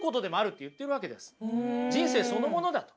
人生そのものだと。